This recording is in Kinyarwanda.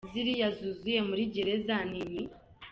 ziriya zuzuye muri gereza n’inki ?